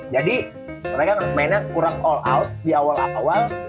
jadi mereka mainnya kurang all out di awal awal